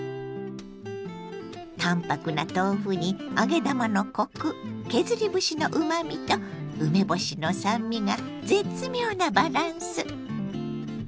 淡泊な豆腐に揚げ玉のコク削り節のうまみと梅干しの酸味が絶妙なバランス！